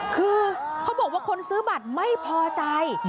คือเขาบอกว่าคนซื้อบัตรไม่พอใจ